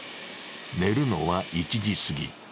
寝るのは１時過ぎ。